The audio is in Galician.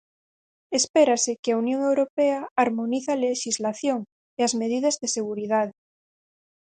Espérase que a Unión Europea harmonice a lexislación e as medidas de seguridade.